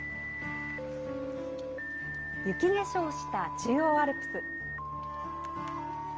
雪化粧した中央アルプス。